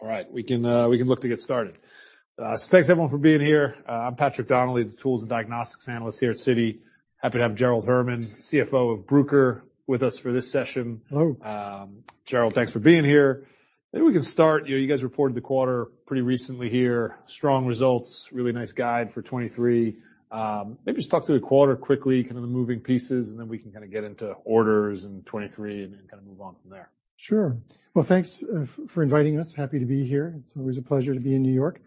All right, we can, we can look to get started. Thanks everyone for being here. I'm Patrick Donnelly, the tools and diagnostics analyst here at Citi. Happy to have Gerald Herman, CFO of Bruker, with us for this session. Hello. Gerald, thanks for being here. Maybe we can start, you know, you guys reported the quarter pretty recently here. Strong results, really nice guide for 2023. Maybe just talk through the quarter quickly, kind of the moving pieces, and then we can kind of get into orders and 2023 and kind of move on from there. Sure. Well, thanks for inviting us. Happy to be here. It's always a pleasure to be in New York.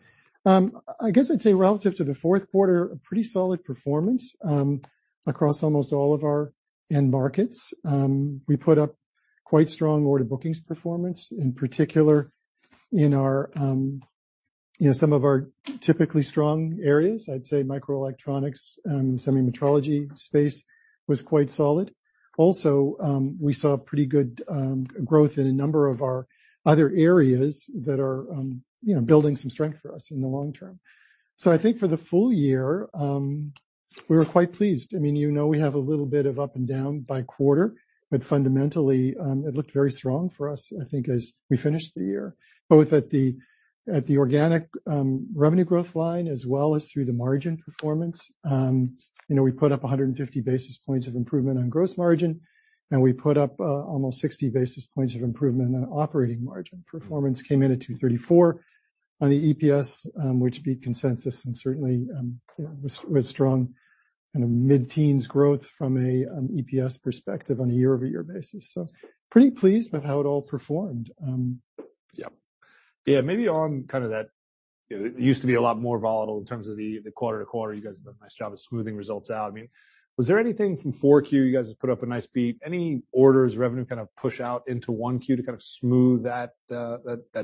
I guess I'd say relative to the fourth quarter, a pretty solid performance, across almost all of our end markets. We put up quite strong order bookings performance, in particular in our, you know, some of our typically strong areas. I'd say microelectronics and semi-metrology space was quite solid. Also, we saw pretty good growth in a number of our other areas that are, you know, building some strength for us in the long term. I think for the full year, we were quite pleased. I mean, you know, we have a little bit of up and down by quarter, but fundamentally, it looked very strong for us, I think, as we finished the year, both at the, at the organic revenue growth line as well as through the margin performance. You know, we put up 150 basis points of improvement on gross margin, and we put up almost 60 basis points of improvement on operating margin. Performance came in at $2.34 on the EPS, which beat consensus and certainly, you know, was strong kind of mid-teens growth from an EPS perspective on a year-over-year basis. Pretty pleased with how it all performed. Yeah. Yeah, maybe on kind of that, it used to be a lot more volatile in terms of the quarter to quarter. You guys have done a nice job of smoothing results out. I mean, was there anything from 4Q you guys have put up a nice beat? Any orders, revenue kind of push out into 1Q to kind of smooth that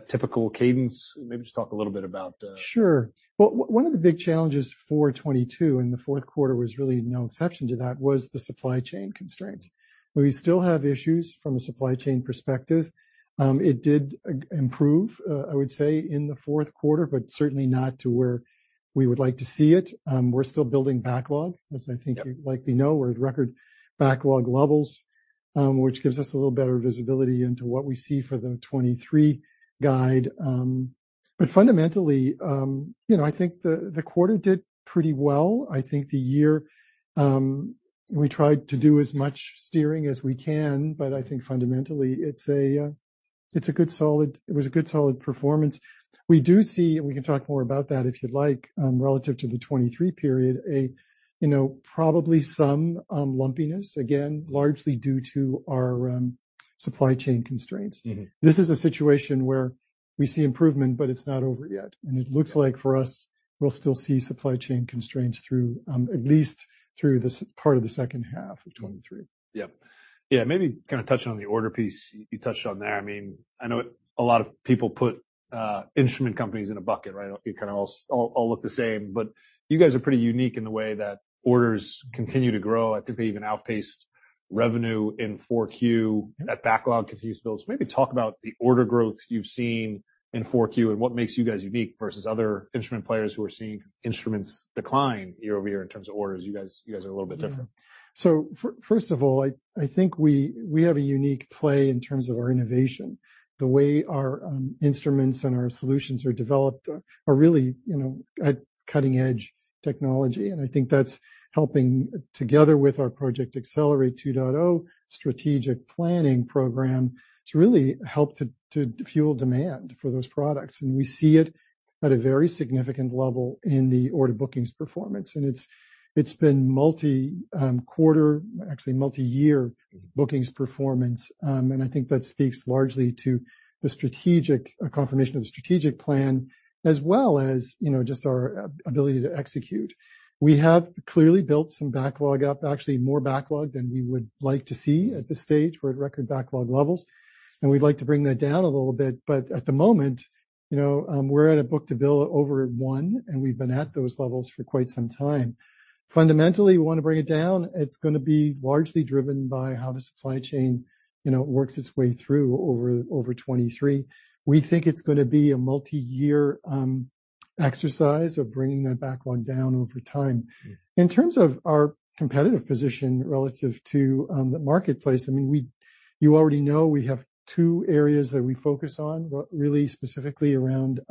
typical cadence? Maybe just talk a little bit about. Sure. Well, one of the big challenges for 2022, and the fourth quarter was really no exception to that, was the supply chain constraints. We still have issues from a supply chain perspective. It did improve, I would say, in the fourth quarter, but certainly not to where we would like to see it. We're still building backlog, as I think. Yeah. -you likely know. We're at record backlog levels, which gives us a little better visibility into what we see for the 2023 guide. Fundamentally, you know, I think the quarter did pretty well. I think the year, we tried to do as much steering as we can, but I think fundamentally it was a good solid performance. We do see, and we can talk more about that if you'd like, relative to the 2023 period, a, you know, probably some lumpiness, again, largely due to our supply chain constraints. This is a situation where we see improvement, but it's not over yet. It looks like for us, we'll still see supply chain constraints through, at least through the part of the second half of 2023. Yeah. Yeah, maybe kind of touching on the order piece you touched on there. I mean, I know a lot of people put, instrument companies in a bucket, right? You kind of all look the same, but you guys are pretty unique in the way that orders continue to grow. I think they even outpaced revenue in 4Q. Yeah. That backlog continues to build. Maybe talk about the order growth you've seen in 4Q and what makes you guys unique versus other instrument players who are seeing instruments decline year-over-year in terms of orders. You guys are a little bit different. Yeah. First of all, I think we have a unique play in terms of our innovation. The way our instruments and our solutions are developed are really, you know, at cutting edge technology. I think that's helping together with our Project Accelerate 2.0 strategic planning program to really help to fuel demand for those products. We see it at a very significant level in the order bookings performance. It's been multi-quarter, actually multi-year bookings performance. I think that speaks largely to the strategic confirmation of the strategic plan, as well as, you know, just our ability to execute. We have clearly built some backlog up, actually more backlog than we would like to see at this stage. We're at record backlog levels, and we'd like to bring that down a little bit. At the moment, you know, we're at a book-to-bill over one, and we've been at those levels for quite some time. Fundamentally, we wanna bring it down. It's gonna be largely driven by how the supply chain, you know, works its way through over 2023. We think it's gonna be a multi-year exercise of bringing that backlog down over time. In terms of our competitive position relative to the marketplace, I mean, you already know we have two areas that we focus on, really specifically around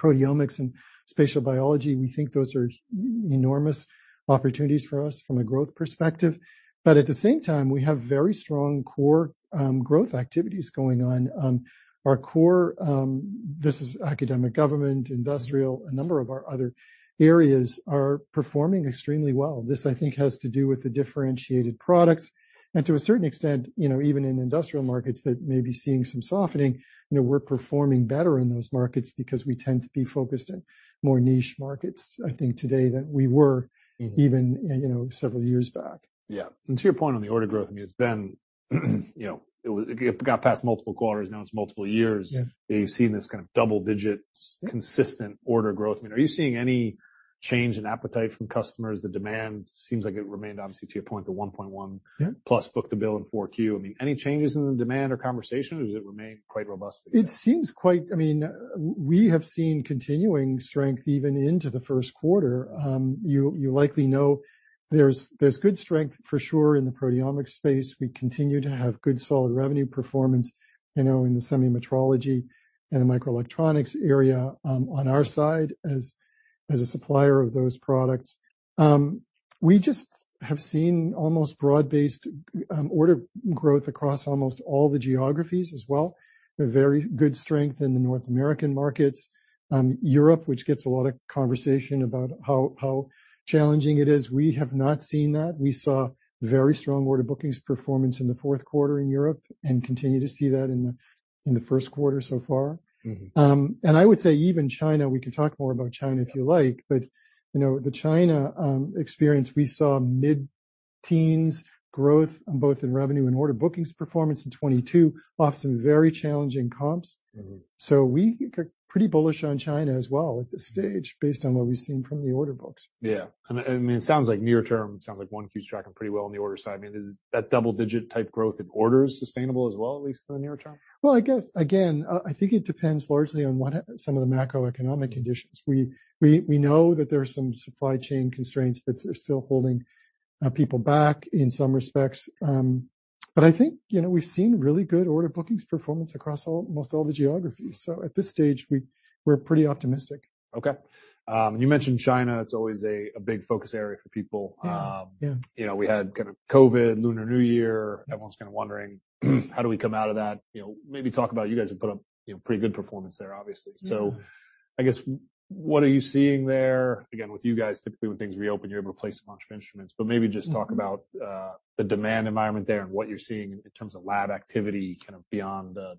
proteomics and spatial biology. We think those are enormous opportunities for us from a growth perspective. At the same time, we have very strong core growth activities going on. Our core, this is academic government, industrial, a number of our other areas are performing extremely well. This, I think, has to do with the differentiated products. To a certain extent, you know, even in industrial markets that may be seeing some softening, you know, we're performing better in those markets because we tend to be focused in more niche markets, I think, today than we were even, you know, several years back. Yeah. To your point on the order growth, I mean, it's been, you know, it got past multiple quarters, now it's multiple years. Yeah. You've seen this kind of double-digit- Yeah. consistent order growth. I mean, are you seeing change in appetite from customers, the demand seems like it remained obviously to your point, the 1.1-? Yeah. plus book-to-bill in 4Q. I mean, any changes in the demand or conversation or does it remain quite robust for you? It seems quite... I mean, we have seen continuing strength even into the first quarter. You likely know there's good strength for sure in the proteomics space. We continue to have good solid revenue performance, you know, in the semi-metrology and the microelectronics area, on our side as a supplier of those products. We just have seen almost broad-based order growth across almost all the geographies as well. A very good strength in the North American markets. Europe, which gets a lot of conversation about how challenging it is, we have not seen that. We saw very strong order bookings performance in the fourth quarter in Europe and continue to see that in the first quarter so far. I would say even China, we can talk more about China if you like, but you know, the China experience, we saw mid-teens growth both in revenue and order bookings performance in 2022 off some very challenging comps. We are pretty bullish on China as well at this stage based on what we've seen from the order books. Yeah. I mean, it sounds like near term, it sounds like 1Q is tracking pretty well on the order side. I mean, is that double-digit type growth in orders sustainable as well, at least in the near term? Well, I guess, again, I think it depends largely on some of the macroeconomic conditions. We know that there are some supply chain constraints that are still holding people back in some respects. I think, you know, we've seen really good order bookings performance across almost all the geographies. At this stage, we're pretty optimistic. Okay. You mentioned China. It's always a big focus area for people. Yeah. Yeah. You know, we had kind of COVID, Lunar New Year. Everyone's kind of wondering, how do we come out of that? You know, maybe talk about you guys have put up, you know, pretty good performance there, obviously. Yeah. I guess what are you seeing there? Again, with you guys, typically, when things reopen, you're able to place a bunch of instruments. Maybe just talk about the demand environment there and what you're seeing in terms of lab activity kind of beyond the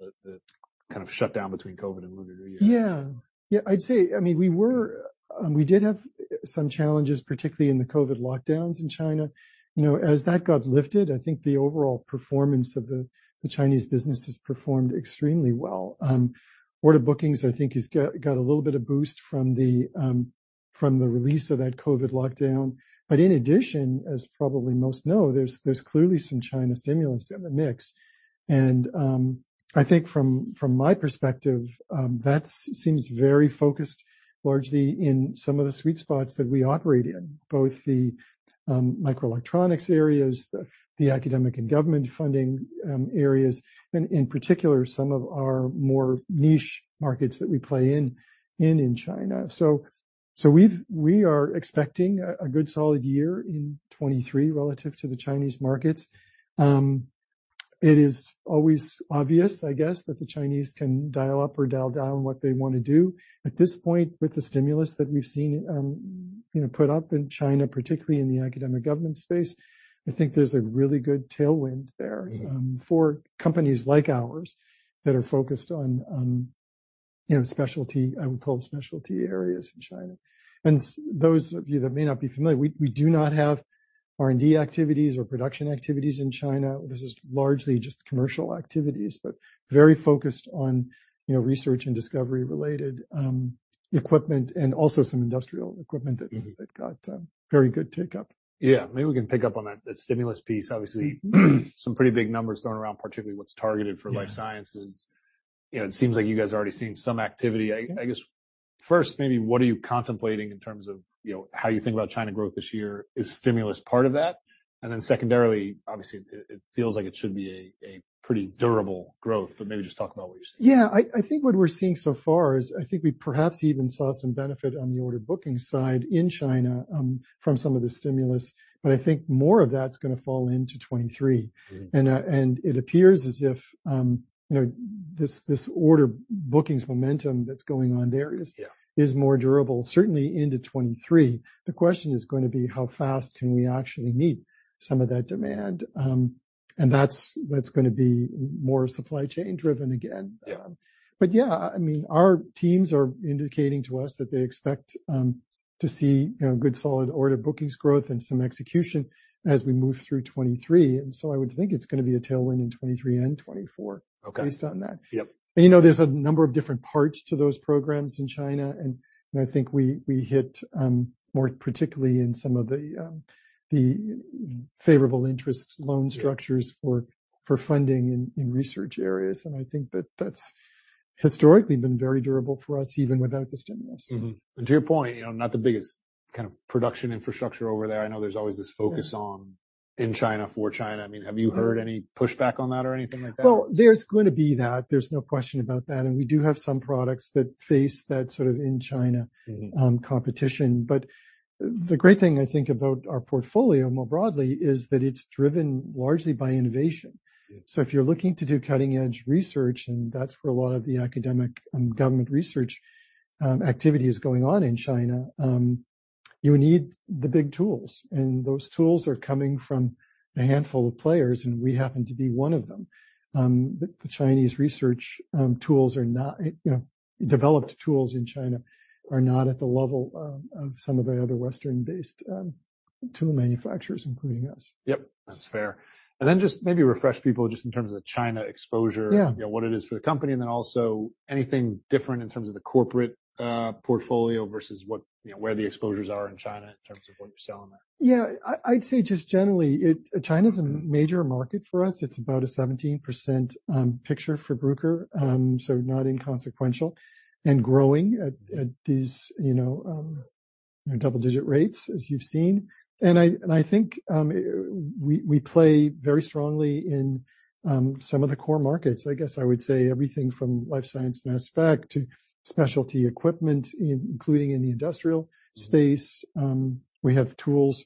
kind of shutdown between COVID and Lunar New Year. Yeah. Yeah, I'd say, I mean, we did have some challenges, particularly in the COVID lockdowns in China. You know, as that got lifted, I think the overall performance of the Chinese business has performed extremely well. Order bookings, I think, has got a little bit of boost from the release of that COVID lockdown. In addition, as probably most know, there's clearly some China stimulus in the mix. I think from my perspective, that seems very focused largely in some of the sweet spots that we operate in, both the microelectronics areas, the academic and government funding areas, and in particular, some of our more niche markets that we play in in China. We are expecting a good solid year in 2023 relative to the Chinese markets. It is always obvious, I guess, that the Chinese can dial up or dial down what they want to do. At this point, with the stimulus that we've seen, you know, put up in China, particularly in the academic government space, I think there's a really good tailwind there for companies like ours that are focused on, you know, specialty, I would call it specialty areas in China. Those of you that may not be familiar, we do not have R&D activities or production activities in China. This is largely just commercial activities, very focused on, you know, research and discovery related, equipment and also some industrial equipment that, that got very good take up. Yeah. Maybe we can pick up on that stimulus piece. Obviously, some pretty big numbers thrown around, particularly what's targeted for life sciences. You know, it seems like you guys are already seeing some activity. I guess first, maybe what are you contemplating in terms of, you know, how you think about China growth this year? Is stimulus part of that? Secondarily, obviously, it feels like it should be a pretty durable growth, maybe just talk about what you're seeing. Yeah. I think what we're seeing so far is I think we perhaps even saw some benefit on the order booking side in China from some of the stimulus. I think more of that's going to fall into 2023. It appears as if, you know, this order bookings momentum that's going on there. Yeah. -is more durable, certainly into 2023. The question is going to be how fast can we actually meet some of that demand? That's what's going to be more supply chain driven again. Yeah. Yeah, I mean, our teams are indicating to us that they expect to see, you know, good solid order bookings growth and some execution as we move through 2023. I would think it's going to be a tailwind in 2023 and 2024. Okay. -based on that. Yep. You know, there's a number of different parts to those programs in China. I think we hit more particularly in some of the favorable interest loan structures. Yeah. for funding in research areas. I think that that's historically been very durable for us, even without the stimulus. Mm-hmm. To your point, you know, not the biggest kind of production infrastructure over there. I know there's always this focus on in China, for China. I mean, have you heard any pushback on that or anything like that? Well, there's going to be that. There's no question about that. We do have some products that face that sort of in China... Mm-hmm. Competition. The great thing I think about our portfolio more broadly is that it's driven largely by innovation. Yeah. If you're looking to do cutting-edge research, and that's where a lot of the academic and government research activity is going on in China, you need the big tools, and those tools are coming from a handful of players, and we happen to be one of them. The Chinese research tools are not, you know, developed tools in China are not at the level of some of the other Western-based tool manufacturers, including us. Yep, that's fair. Then just maybe refresh people just in terms of the China exposure. Yeah. You know, what it is for the company, and then also anything different in terms of the corporate portfolio versus what, you know, where the exposures are in China in terms of what you're selling there. Yeah. I'd say just generally, China's a major market for us. It's about a 17% picture for Bruker, so not inconsequential and growing at these, you know, double-digit rates as you've seen. I think, we play very strongly in some of the core markets. I guess I would say everything from life science, mass spec to specialty equipment, including in the industrial space. We have tools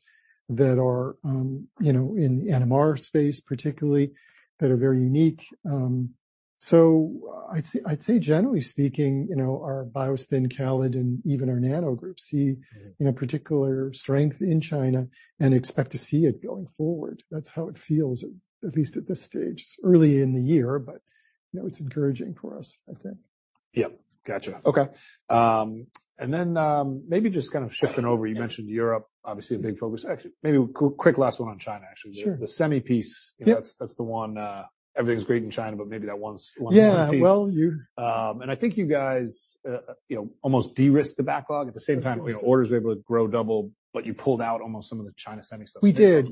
that are, you know, in NMR space particularly, that are very unique. I'd say generally speaking, you know, our BioSpin, CALID, and even our NANO group see, you know, particular strength in China and expect to see it going forward. That's how it feels, at least at this stage. It's early in the year, you know, it's encouraging for us, I think. Yep. Gotcha. Okay. Then, maybe just kind of shifting over. You mentioned Europe, obviously a big focus. Actually, maybe quick last one on China, actually. Sure. The semi piece. Yep. You know, that's the one, everything's great in China, but maybe that one piece. Yeah. Well. I think you guys, you know, almost de-risked the backlog. At the same time, you know, orders were able to grow double, but you pulled out almost some of the China semi stuff. We did.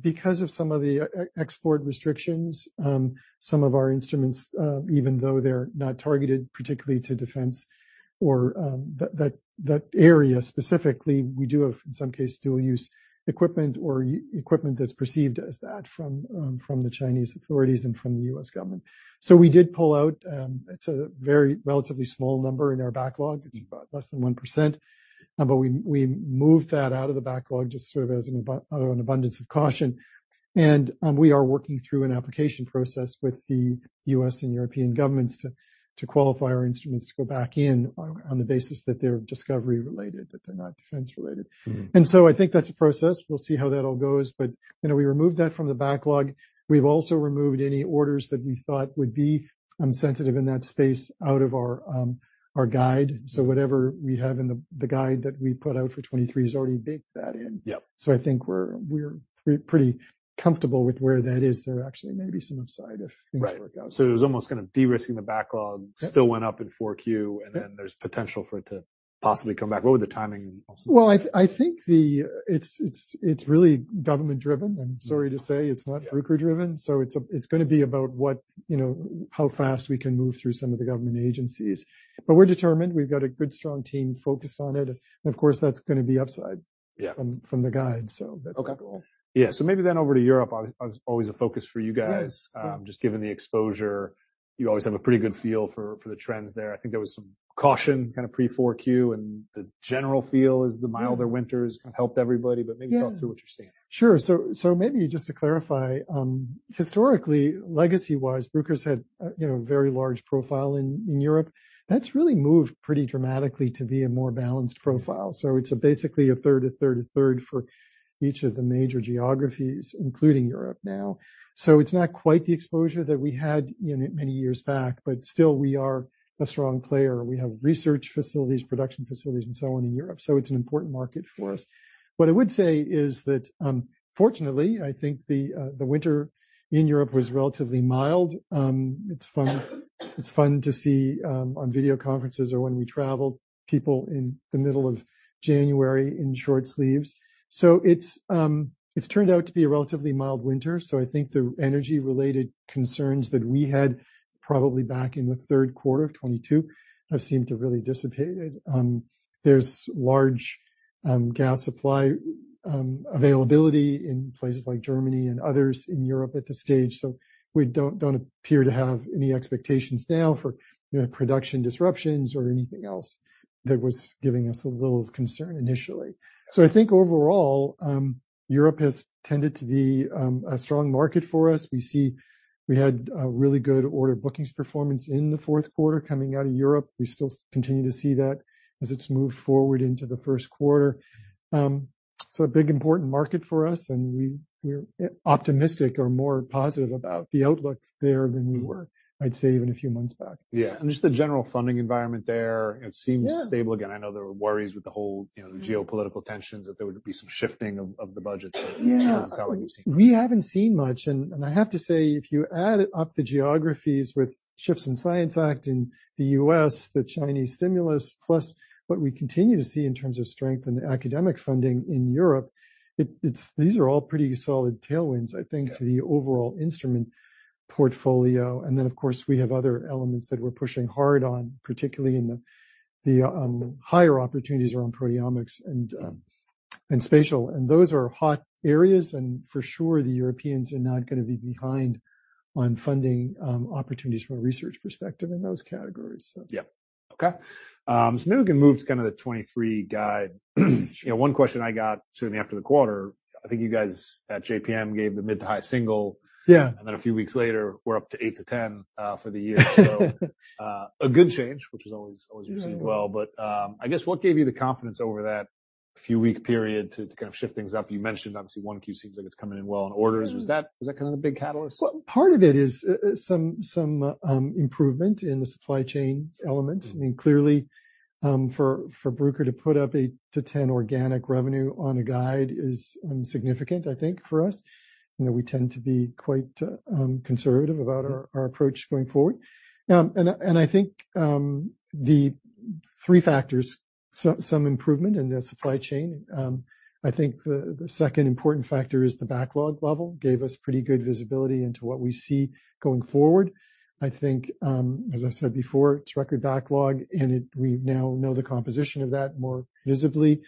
Because of some of the export restrictions, some of our instruments, even though they're not targeted particularly to defense or, that area specifically, we do have, in some cases, dual use equipment or equipment that's perceived as that from the Chinese authorities and from the U.S. government. We did pull out, it's a very relatively small number in our backlog. It's about less than 1%. But we moved that out of the backlog just sort of as an out of an abundance of caution. We are working through an application process with the U.S. and European governments to qualify our instruments to go back in on the basis that they're discovery-related, that they're not defense-related. Mm-hmm. I think that's a process. We'll see how that all goes. You know, we removed that from the backlog. We've also removed any orders that we thought would be sensitive in that space out of our guide. Whatever we have in the guide that we put out for 2023 is already baked that in. Yep. I think we're pretty comfortable with where that is. There actually may be some upside if things work out. Right. It was almost kind of de-risking the backlog. Yep. Still went up in 4Q, and then there's potential for it to possibly come back. What would the timing possibly be? Well, I think it's really government-driven. I'm sorry to say. Yeah. It's not Bruker-driven. It's, it's gonna be about what, you know, how fast we can move through some of the government agencies. We're determined. We've got a good, strong team focused on it. Of course, that's gonna be upside- Yeah from the guide. That's the goal. Okay. Yeah. Maybe over to Europe, always a focus for you guys. Yeah. Just given the exposure, you always have a pretty good feel for the trends there. I think there was some caution kind of pre 4Q. The general feel is the milder winters kind of helped everybody. Yeah. Maybe talk through what you're seeing. Sure. Maybe just to clarify, historically, legacy-wise, Bruker's had, you know, a very large profile in Europe. That's really moved pretty dramatically to be a more balanced profile. It's basically a third, a third, a third for each of the major geographies, including Europe now. It's not quite the exposure that we had, you know, many years back, but still we are a strong player. We have research facilities, production facilities, and so on in Europe. It's an important market for us. What I would say is that, fortunately, I think the winter in Europe was relatively mild. It's fun to see on video conferences or when we travel, people in the middle of January in short sleeves. It's turned out to be a relatively mild winter, so I think the energy-related concerns that we had probably back in the third quarter of 2022 have seemed to really dissipated. There's large gas supply availability in places like Germany and others in Europe at this stage, so we don't appear to have any expectations now for, you know, production disruptions or anything else that was giving us a little concern initially. I think overall, Europe has tended to be a strong market for us. We had a really good order bookings performance in the fourth quarter coming out of Europe. We still continue to see that as it's moved forward into the first quarter. It's a big important market for us, and we're optimistic or more positive about the outlook there than we were, I'd say, even a few months back. Yeah. Just the general funding environment there. Yeah It seems stable again. I know there were worries with the whole, you know, geopolitical tensions, that there would be some shifting of the budget. Yeah. It doesn't sound like you've seen much. We haven't seen much. I have to say, if you add up the geographies with CHIPS and Science Act in the U.S., the Chinese stimulus, plus what we continue to see in terms of strength in academic funding in Europe, these are all pretty solid tailwinds, I think- Yeah to the overall instrument portfolio. Then, of course, we have other elements that we're pushing hard on, particularly in the higher opportunities around proteomics and spatial. Those are hot areas, and for sure, the Europeans are not gonna be behind on funding opportunities from a research perspective in those categories. Yeah. Okay. Maybe we can move to kind of the 2023 guide. You know, one question I got certainly after the quarter, I think you guys at JPM gave the mid to high single. Yeah. A few weeks later, we're up to 8%-10% for the year. A good change, which is always received well. I guess what gave you the confidence over that? A few week period to kind of shift things up. You mentioned, obviously, 1Q seems like it's coming in well in orders. Yeah. Was that kind of the big catalyst? Part of it is some improvement in the supply chain element. Mm-hmm. I mean, clearly, for Bruker to put up 8%-10% organic revenue on a guide is significant, I think, for us. You know, we tend to be quite conservative about our approach going forward. I think the three factors, some improvement in the supply chain. I think the second important factor is the backlog level gave us pretty good visibility into what we see going forward. I think, as I said before, it's record backlog, and we now know the composition of that more visibly,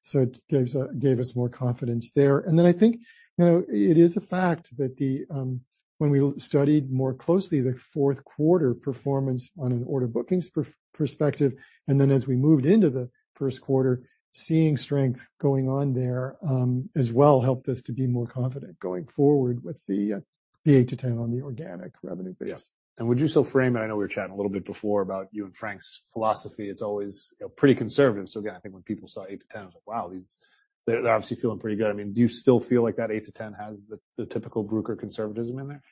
so it gives us more confidence there. I think, you know, it is a fact that the, when we studied more closely the fourth quarter performance on an order bookings perspective, and then as we moved into the first quarter, seeing strength going on there, as well helped us to be more confident going forward with the 8%-10% on the organic revenue base. Yeah. Would you still frame it, I know we were chatting a little bit before about you and Frank's philosophy, it's always, you know, pretty conservative. Again, I think when people saw 8%-10%, wow, they're obviously feeling pretty good. I mean, do you still feel like that 8%-10% has the typical Bruker conservatism in there?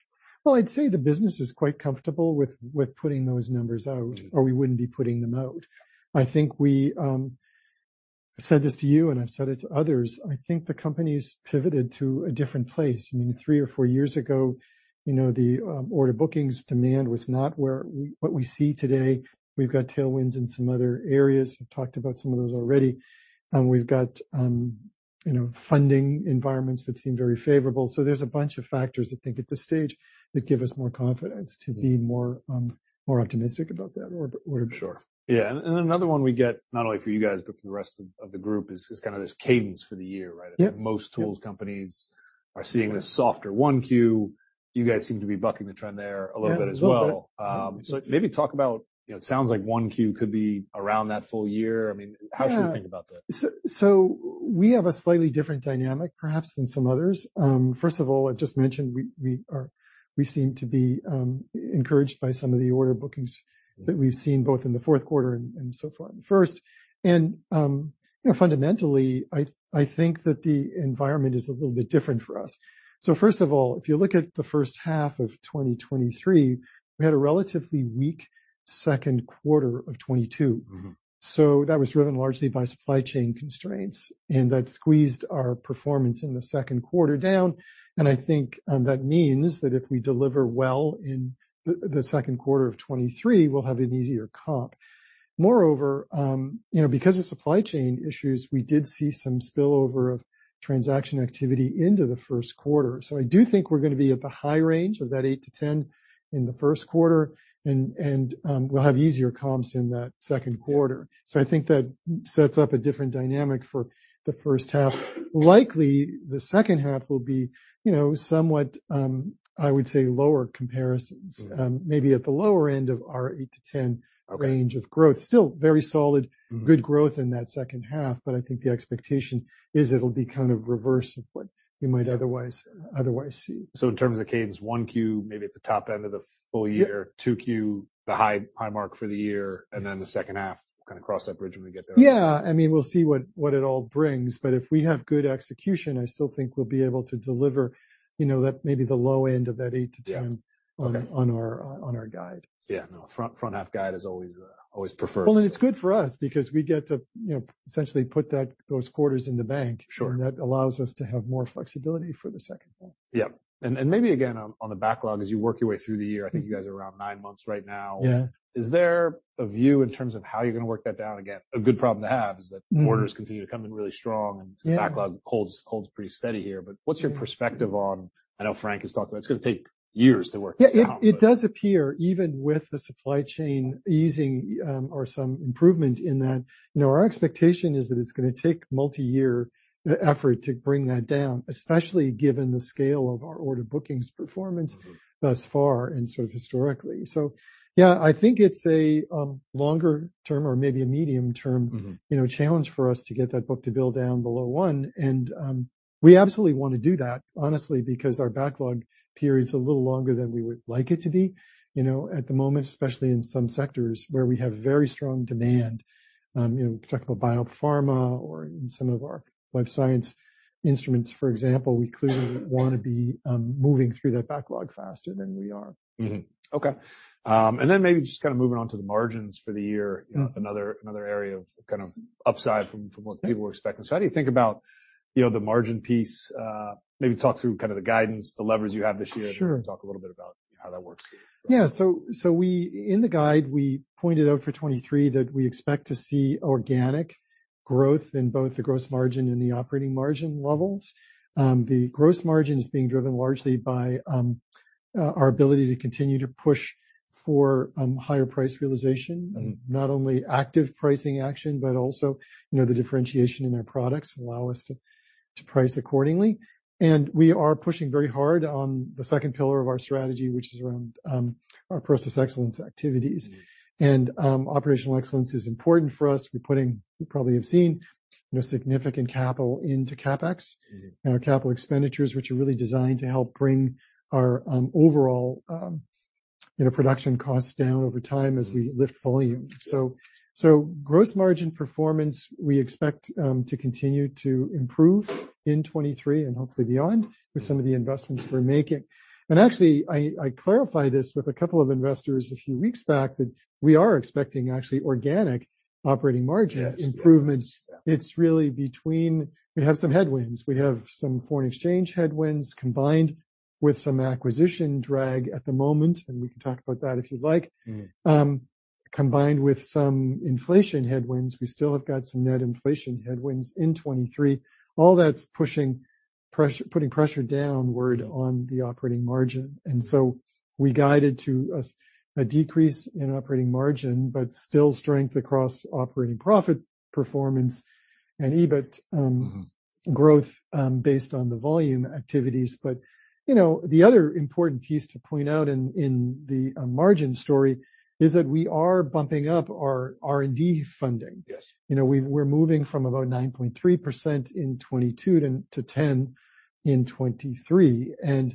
Well, I'd say the business is quite comfortable with putting those numbers out- Mm-hmm. or we wouldn't be putting them out. I think we, I've said this to you and I've said it to others, I think the company's pivoted to a different place. I mean, three or four years ago, you know, the order bookings demand was not what we see today. We've got tailwinds in some other areas. I've talked about some of those already. We've got, you know, funding environments that seem very favorable. There's a bunch of factors, I think, at this stage that give us more confidence to be more optimistic about that order book. Sure. Yeah. Another one we get, not only for you guys, but for the rest of the group is kind of this cadence for the year, right? Yeah. Most tools companies are seeing this softer Q. You guys seem to be bucking the trend there a little bit as well. Yeah. A little bit. Yeah. Maybe talk about, you know, it sounds like 1 Q could be around that full year. Yeah. How should we think about that? We have a slightly different dynamic perhaps than some others. First of all, I've just mentioned we seem to be encouraged by some of the order bookings that we've seen both in the fourth quarter and so far in the first. You know, fundamentally, I think that the environment is a little bit different for us. First of all, if you look at the first half of 2023, we had a relatively weak second quarter of 2022. Mm-hmm. That was driven largely by supply chain constraints, and that squeezed our performance in the second quarter down, and I think that means that if we deliver well in the second quarter of 2023, we'll have an easier comp. Moreover, you know, because of supply chain issues, we did see some spillover of transaction activity into the first quarter. I do think we're gonna be at the high range of that 8%-10% in the first quarter, and we'll have easier comps in that second quarter. I think that sets up a different dynamic for the first half. Likely, the second half will be, you know, somewhat, I would say lower comparisons. Mm-hmm. maybe at the lower end of our 8%-10%- Okay. -range of growth. Still very solid. Mm-hmm. I think the expectation is it'll be kind of reverse of what you might otherwise see. In terms of cadence, 1Q, maybe at the top end of the full year. Yeah. 2Q, the high, high mark for the year, and then the second half, kind of cross that bridge when we get there. Yeah. I mean, we'll see what it all brings. If we have good execution, I still think we'll be able to deliver, you know, that maybe the low end of that 8%-10%- Yeah. Okay. on our guide. Yeah, no. Front, front half guide is always preferred. Well, it's good for us because we get to, you know, essentially put those quarters in the bank. Sure. That allows us to have more flexibility for the second half. Yeah. maybe again on the backlog, as you work your way through the year, I think you guys are around nine months right now. Yeah. Is there a view in terms of how you're gonna work that down again? A good problem to have is that- Mm. orders continue to come in really strong. Yeah. The backlog holds pretty steady here. What's your perspective on, I know Frank has talked about it's gonna take years to work this down, but. Yeah, it does appear, even with the supply chain easing, or some improvement in that, you know, our expectation is that it's gonna take multi-year effort to bring that down, especially given the scale of our order bookings performance thus far and sort of historically. Yeah, I think it's a longer term or maybe a medium term. Mm-hmm. You know, challenge for us to get that book-to-bill down below one. We absolutely wanna do that, honestly, because our backlog period's a little longer than we would like it to be. You know, at the moment, especially in some sectors where we have very strong demand, you know, we talk about biopharma or in some of our life science instruments, for example, we clearly wanna be moving through that backlog faster than we are. Okay. Maybe just kind of moving on to the margins for the year. Mm-hmm. You know, another area of kind of upside from what people were expecting. How do you think about, you know, the margin piece? Maybe talk through kind of the guidance, the levers you have this year. Sure. Talk a little bit about how that works for you. Yeah. In the guide, we pointed out for 2023 that we expect to see organic growth in both the gross margin and the operating margin levels. The gross margin is being driven largely by our ability to continue to push for higher price realization. Mm-hmm. Not only active pricing action, but also, you know, the differentiation in our products allow us to price accordingly. We are pushing very hard on the second pillar of our strategy, which is around our process excellence activities. Mm-hmm. Operational excellence is important for us. We're putting, you probably have seen, you know, significant capital into CapEx. Mm-hmm. Our capital expenditures, which are really designed to help bring our overall, you know, production costs down over time as we lift volume. Gross margin performance, we expect to continue to improve in 2023 and hopefully beyond with some of the investments we're making. Actually, I clarified this with a couple of investors a few weeks back that we are expecting actually organic operating margin improvements. Yes. Yeah. We have some headwinds. We have some foreign exchange headwinds combined with some acquisition drag at the moment. We can talk about that if you'd like. Mm-hmm. Combined with some inflation headwinds. We still have got some net inflation headwinds in 2023. All that's putting pressure downward on the operating margin. So we guided to a decrease in operating margin, but still strength across operating profit performance and EBIT growth based on the volume activities. You know, the other important piece to point out in the margin story is that we are bumping up our R&D funding. Yes. You know, we're moving from about 9.3% in 2022 to 10% in 2023. You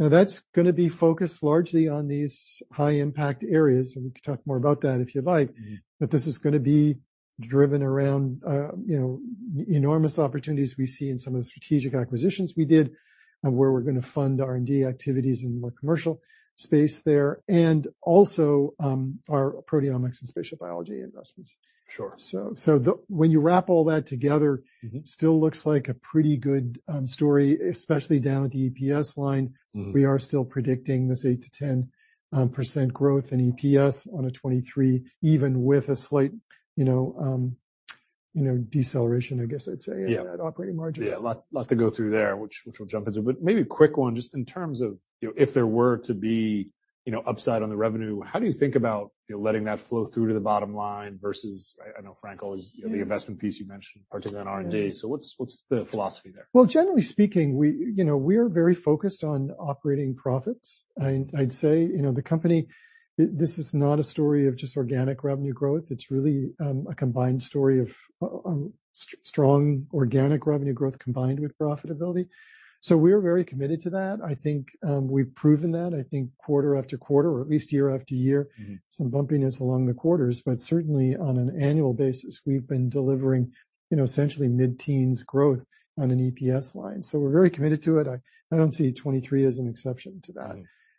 know, that's gonna be focused largely on these high impact areas. We can talk more about that if you'd like. Mm-hmm. This is gonna be driven around, you know, enormous opportunities we see in some of the strategic acquisitions we did, where we're gonna fund R&D activities in the more commercial space there, and also, our proteomics and spatial biology investments. Sure. When you wrap all that together- Mm-hmm. still looks like a pretty good story, especially down at the EPS line. Mm-hmm. We are still predicting this 8%-10% growth in EPS on a 2023, even with a slight, you know, you know, deceleration, I guess I'd say. Yeah. -at operating margin. Yeah. Lot to go through there, which we'll jump into. Maybe a quick one, just in terms of, you know, if there were to be, you know, upside on the revenue, how do you think about, you know, letting that flow through to the bottom line versus I know Frank always, you know, the investment piece you mentioned, particularly on R&D. What's the philosophy there? Well, generally speaking, we, you know, we're very focused on operating profits. I'd say, you know, the company, this is not a story of just organic revenue growth. It's really a combined story of strong organic revenue growth combined with profitability. We're very committed to that. I think we've proven that, I think quarter after quarter or at least year after year. Mm-hmm. Some bumpiness along the quarters, certainly on an annual basis, we've been delivering, you know, essentially mid-teens growth on an EPS line. We're very committed to it. I don't see 2023 as an exception to that.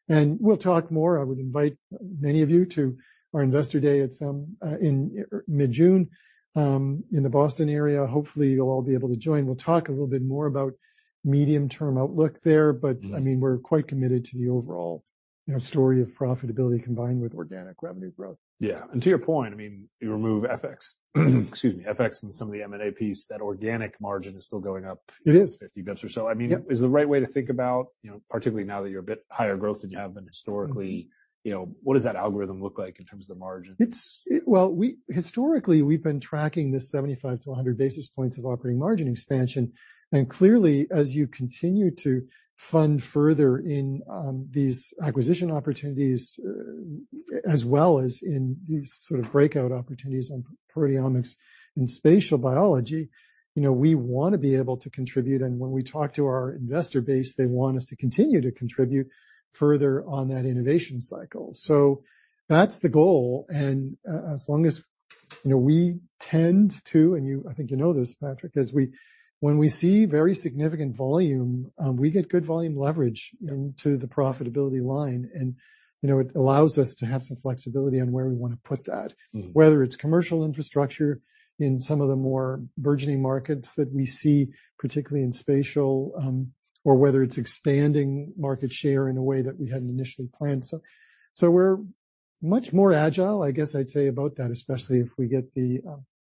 Yeah. We'll talk more. I would invite many of you to our investor day at some in mid-June in the Boston area. Hopefully, you'll all be able to join. We'll talk a little bit more about medium-term outlook there. Mm-hmm. I mean, we're quite committed to the overall, you know, story of profitability combined with organic revenue growth. Yeah. To your point, I mean, you remove FX, excuse me, FX and some of the M&A piece, that organic margin is still going up. It is. 50 basis points or so. I mean- Yeah. is the right way to think about, you know, particularly now that you're a bit higher growth than you have been historically- Mm-hmm. You know, what does that algorithm look like in terms of the margin? Well, historically, we've been tracking this 75 basis points-100 basis points of operating margin expansion. Clearly, as you continue to fund further in these acquisition opportunities, as well as in these sort of breakout opportunities on proteomics and spatial biology, you know, we wanna be able to contribute. When we talk to our investor base, they want us to continue to contribute further on that innovation cycle. That's the goal, and as long as, you know, we tend to, and you, I think you know this, Patrick, is when we see very significant volume, we get good volume leverage- Mm-hmm. to the profitability line, and, you know, it allows us to have some flexibility on where we wanna put that. Mm-hmm. Whether it's commercial infrastructure in some of the more burgeoning markets that we see, particularly in spatial, or whether it's expanding market share in a way that we hadn't initially planned. We're much more agile, I guess I'd say about that, especially if we get the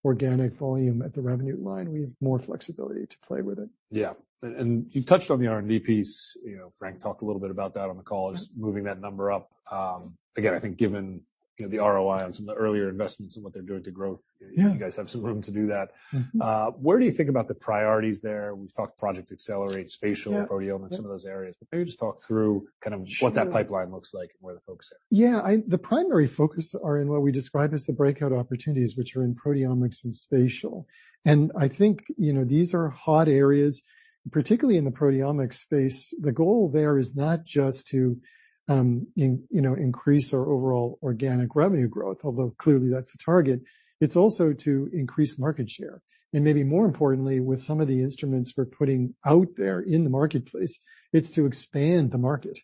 organic volume at the revenue line. We have more flexibility to play with it. Yeah. You touched on the R&D piece, you know, Frank talked a little bit about that on the call, just moving that number up. Again, I think given, you know, the ROI on some of the earlier investments and what they're doing to growth. Yeah. You guys have some room to do that. Mm-hmm. Where do you think about the priorities there? We've talked Project Accelerate- Yeah. spatial, proteomics, some of those areas. Maybe just talk through kind of what that pipeline looks like and where the focus is. Yeah. The primary focus are in what we describe as the breakout opportunities, which are in proteomics and spatial. I think, you know, these are hot areas, particularly in the proteomics space. The goal there is not just to, you know, increase our overall organic revenue growth, although clearly that's a target. It's also to increase market share, and maybe more importantly, with some of the instruments we're putting out there in the marketplace, it's to expand the market.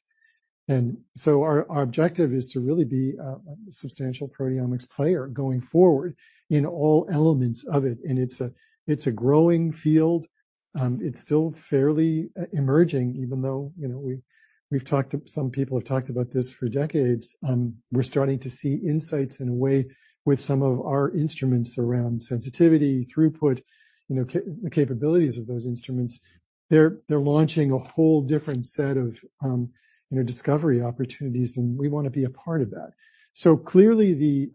Our objective is to really be a substantial proteomics player going forward in all elements of it. It's a growing field. It's still fairly emerging, even though, you know, we've talked, some people have talked about this for decades. We're starting to see insights in a way with some of our instruments around sensitivity, throughput, you know, capabilities of those instruments. They're launching a whole different set of, you know, discovery opportunities, and we wanna be a part of that. Clearly,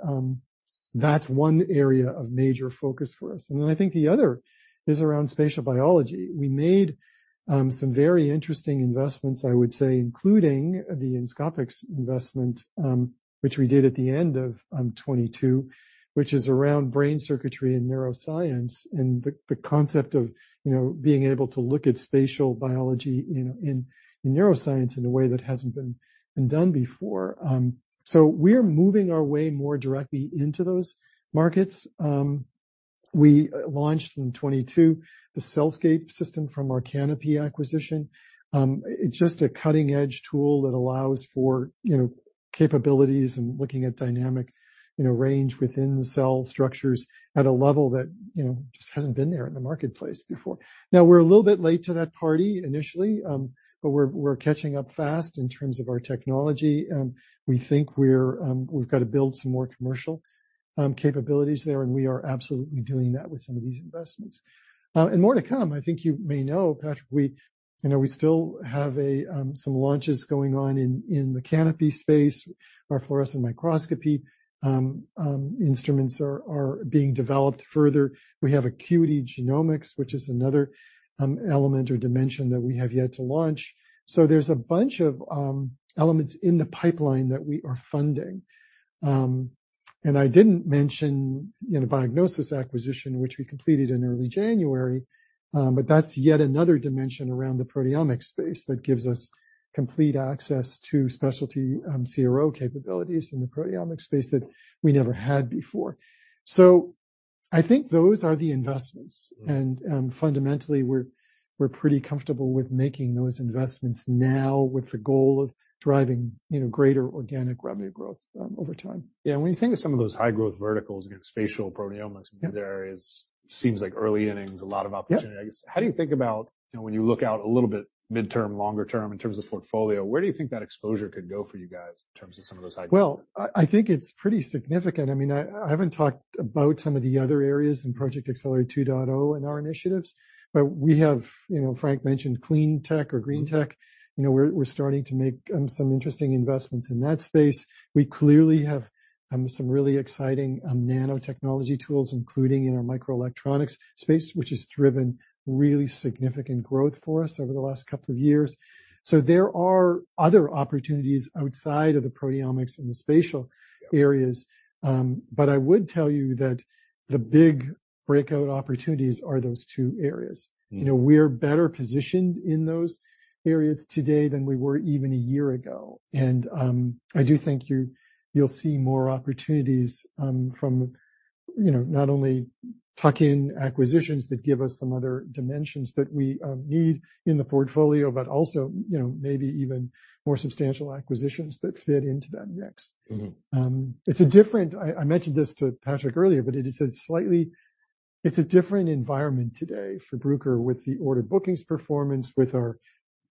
that's one area of major focus for us. I think the other is around spatial biology. We made some very interesting investments, I would say, including the Inscopix investment, which we did at the end of 2022, which is around brain circuitry and neuroscience and the concept of, you know, being able to look at spatial biology in neuroscience in a way that hasn't been done before. We're moving our way more directly into those markets. We launched in 2022 the CellScape system from our Canopy acquisition. It's just a cutting-edge tool that allows for, you know, capabilities and looking at dynamic, you know, range within cell structures at a level that, you know, just hasn't been there in the marketplace before. We're a little bit late to that party initially, but we're catching up fast in terms of our technology. We think we're, we've got to build some more commercial capabilities there, and we are absolutely doing that with some of these investments. More to come, I think you may know, Patrick, we, you know, we still have some launches going on in the Canopy space. Our fluorescence microscopy instruments are being developed further. We have Acuity Genomics, which is another element or dimension that we have yet to launch. There's a bunch of elements in the pipeline that we are funding. I didn't mention, you know, Biognosys acquisition, which we completed in early January, but that's yet another dimension around the proteomics space that gives us complete access to specialty CRO capabilities in the proteomics space that we never had before. I think those are the investments. Mm. Fundamentally, we're pretty comfortable with making those investments now with the goal of driving, you know, greater organic revenue growth over time. When you think of some of those high-growth verticals, again, spatial proteomics- Yeah. These areas seems like early innings, a lot of opportunities. Yeah. I guess, how do you think about, you know, when you look out a little bit midterm, longer term in terms of portfolio, where do you think that exposure could go for you guys in terms of some of those high growth? Well, I think it's pretty significant. I mean, I haven't talked about some of the other areas in Project Accelerate 2.0 in our initiatives, but we have, you know, Frank mentioned clean tech or green tech. You know, we're starting to make some interesting investments in that space. We clearly have some really exciting nanotechnology tools, including in our microelectronics space, which has driven really significant growth for us over the last couple of years. There are other opportunities outside of the proteomics and the spatial areas. I would tell you that the big breakout opportunities are those two areas. Mm. You know, we're better positioned in those areas today than we were even a year ago. I do think you'll see more opportunities, from, you know, not only tuck-in acquisitions that give us some other dimensions that we, need in the portfolio, but also, you know, maybe even more substantial acquisitions that fit into that mix. Mm-hmm. It's a different. I mentioned this to Patrick earlier. It's a different environment today for Bruker with the order bookings perfomance, with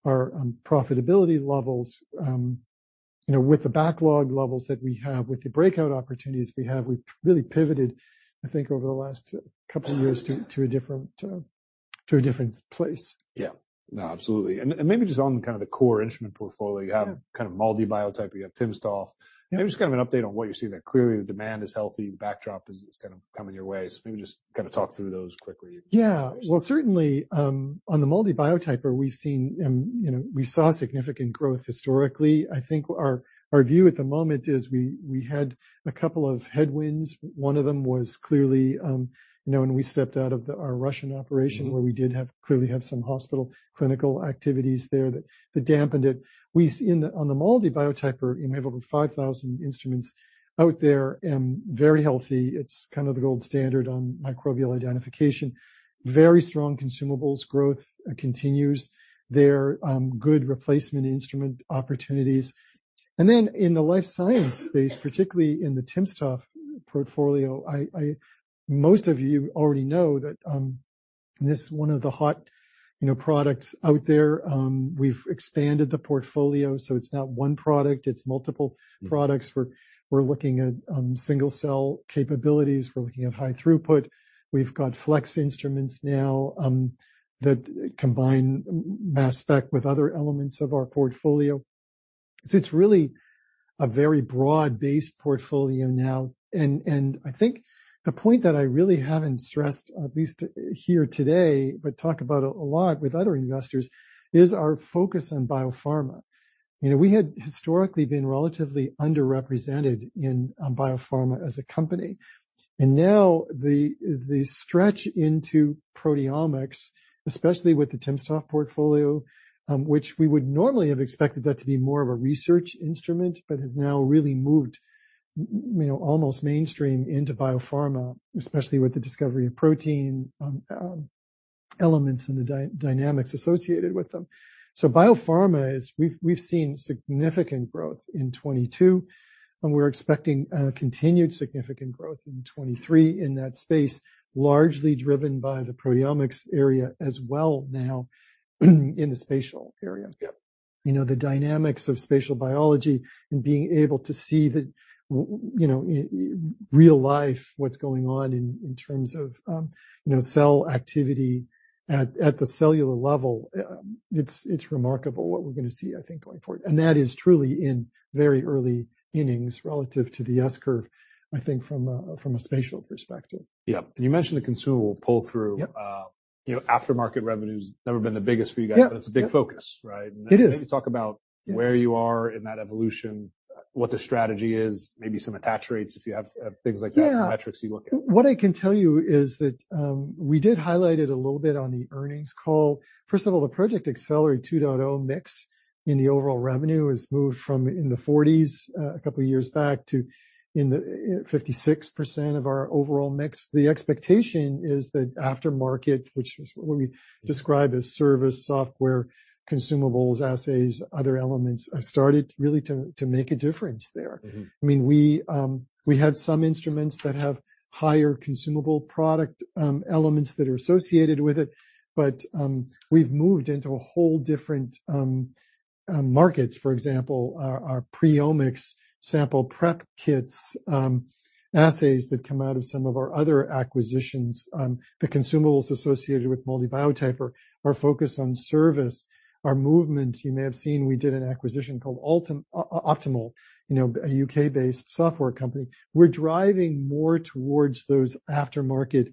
our profitability levels, you know, with the backlog levels that we have, with the breakout opportunities we have. We've really pivoted, I think, over the last couple years to a different, to a different place. Yeah. No, absolutely. Maybe just on kind of the core instrument portfolio. Yeah. You have kind of MALDI Biotyper, you have timsTOF. Yeah. Maybe just kind of an update on what you're seeing there. Clearly, the demand is healthy, the backdrop is kind of coming your way. Maybe just kind of talk through those quickly. Yeah. Well, certainly, on the MALDI Biotyper, we've seen, you know, we saw significant growth historically. I think our view at the moment is we had a couple of headwinds. One of them was clearly, you know, when we stepped out of the, our Russian operation- Mm-hmm. Where we did have, clearly have some hospital clinical activities there that dampened it. In the, on the MALDI Biotyper, you know, we have over 5,000 instruments out there and very healthy. It's kind of the gold standard on microbial identification. Very strong consumables growth continues there. Good replacement instrument opportunities. And then in the life science space, particularly in the timsTOF portfolio, Most of you already know that, this is one of the hot, you know, products out there. We've expanded the portfolio, so it's not one product, it's multiple products. Mm. We're looking at single-cell capabilities. We're looking at high throughput. We've got flex instruments now that combine mass spec with other elements of our portfolio. It's really a very broad-based portfolio now. I think the point that I really haven't stressed, at least here today, but talk about a lot with other investors, is our focus on biopharma. You know, we had historically been relatively underrepresented in biopharma as a company. Now the stretch into proteomics, especially with the timsTOF portfolio, which we would normally have expected that to be more of a research instrument, but has now really moved, you know, almost mainstream into biopharma, especially with the discovery of protein elements and the dynamics associated with them. Biopharma we've seen significant growth in 2022, and we're expecting continued significant growth in 2023 in that space, largely driven by the proteomics area as well now in the spatial area. Yeah. You know, the dynamics of spatial biology and being able to see that, you know, real life, what's going on in terms of, you know, cell activity at the cellular level, it's remarkable what we're gonna see, I think, going forward. That is truly in very early innings relative to the S-curve, I think, from a, from a spatial perspective. Yeah. You mentioned the consumable pull-through. Yeah. You know, aftermarket revenue's never been the biggest for you guys. Yeah, yeah. It's a big focus, right? It is. Maybe talk about where you are in that evolution, what the strategy is, maybe some attach rates, if you have, things like that- Yeah metrics you look at. What I can tell you is that, we did highlight it a little bit on the earnings call. First of all, the Project Accelerate 2.0 mix in the overall revenue has moved from in the 40s, a couple of years back to in the 56% of our overall mix. The expectation is that aftermarket, which is what we describe as service, software, consumables, assays, other elements, have started really to make a difference there. Mm-hmm. I mean, we have some instruments that have higher consumable product elements that are associated with it, but we've moved into a whole different markets. For example, our PreOmics sample prep kits, assays that come out of some of our other acquisitions, the consumables associated with MALDI Biotyper, our focus on service, our movement. You may have seen we did an acquisition called Optimal, you know, a UK-based software company. We're driving more towards those aftermarket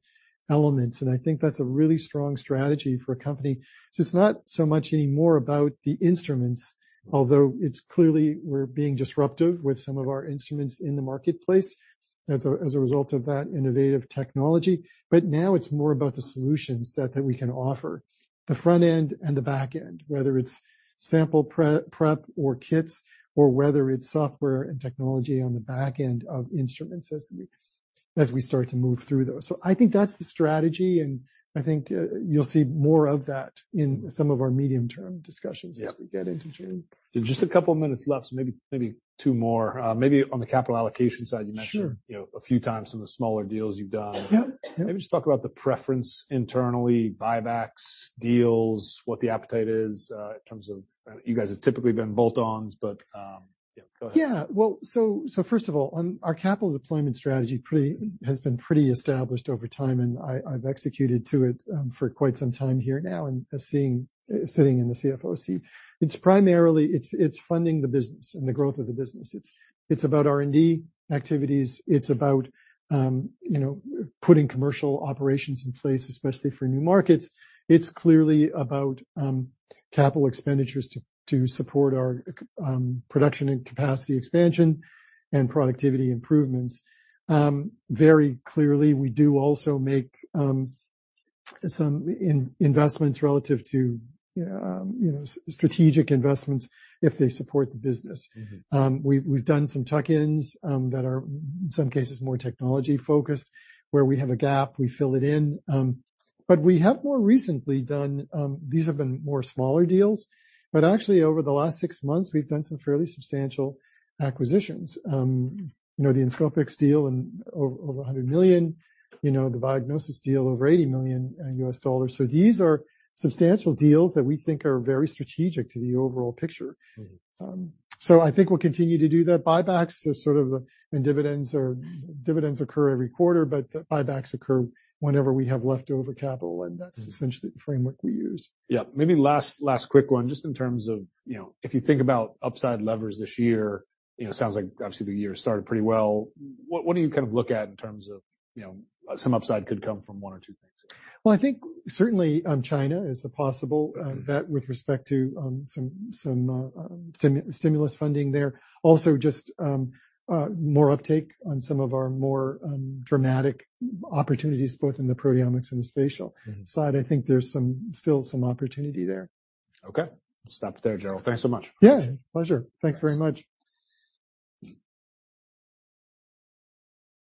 elements, and I think that's a really strong strategy for a company. It's not so much anymore about the instruments, although it's clearly we're being disruptive with some of our instruments in the marketplace as a result of that innovative technology. Now it's more about the solution set that we can offer, the front end and the back end, whether it's sample pre-prep or kits or whether it's software and technology on the back end of instrument systems as we start to move through those. I think that's the strategy, and I think you'll see more of that in some of our medium-term discussions- Yeah as we get into June. Just a couple of minutes left, maybe two more. Maybe on the capital allocation side. Sure you know, a few times some of the smaller deals you've done. Yeah. Yeah. Maybe just talk about the preference internally, buybacks, deals, what the appetite is, in terms of. You guys have typically been bolt-ons. Yeah, go ahead. Well, first of all, on our capital deployment strategy has been pretty established over time, and I've executed to it for quite some time here now and as sitting in the CFO seat. It's primarily, it's funding the business and the growth of the business. It's about R&D activities. It's about, you know, putting commercial operations in place, especially for new markets. It's clearly about capital expenditures to support our production and capacity expansion and productivity improvements. Very clearly, we do also make some investments relative to, you know, strategic investments if they support the business. Mm-hmm. We've done some tuck-ins, that are in some cases more technology-focused, where we have a gap, we fill it in. But we have more recently done, these have been more smaller deals, but actually, over the last six months, we've done some fairly substantial acquisitions. You know, the Inscopix deal over $100 million, you know, the Biognosys deal over $80 million. These are substantial deals that we think are very strategic to the overall picture. Mm-hmm. I think we'll continue to do that. Buybacks are sort of, and dividends are dividends occur every quarter, but buybacks occur whenever we have leftover capital, and that's essentially the framework we use. Yeah. Maybe last quick one, just in terms of, you know, if you think about upside levers this year, you know, it sounds like obviously the year started pretty well. What do you kind of look at in terms of, you know, some upside could come from one or two things? Well, I think certainly, China is a possible bet with respect to, some stimulus funding there. Just, more uptake on some of our more, dramatic opportunities both in the proteomics and the spatial side. Mm-hmm. I think there's some, still some opportunity there. Okay. We'll stop there, Gerald. Thanks so much. Yeah. Pleasure. Thanks. Thanks very much. Mm.